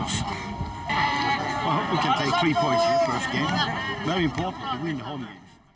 sangat penting menang seluruh pertandingan